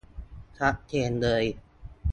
ชัดเจนเลย